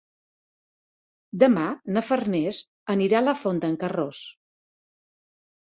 Demà na Farners anirà a la Font d'en Carròs.